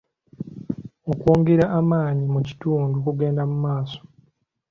Okwongera amaanyi mu kintu kugenda mu maaso.